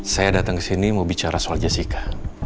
saya datang ke sini mau bicara soal jessica